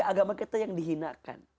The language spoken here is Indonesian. agama kita yang dihinakan